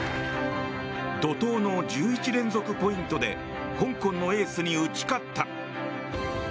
怒とうの１１連続ポイントで香港のエースに打ち勝った。